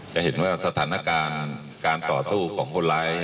จะเห็นว่าสถานการณ์การต่อสู้ของคนร้าย